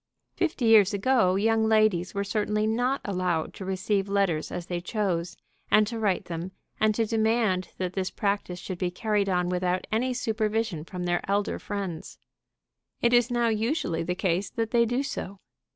Fifty years ago young ladies were certainly not allowed to receive letters as they chose, and to write them, and to demand that this practice should be carried on without any supervision from their elder friends. It is now usually the case that they do so.